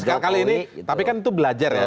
sekali kali ini tapi kan itu belajar ya